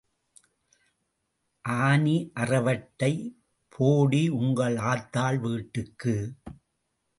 ஆனி அறவட்டை, போடி உங்கள் ஆத்தாள் வீட்டுக்கு.